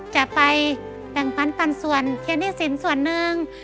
จะไปแบ่งพันธุ์ปันส่วนเทียนที่สินส่วนหนึ่ง